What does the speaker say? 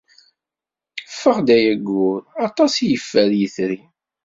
Ffeɣ-d ay ayyur aṭas i yeffer yitri.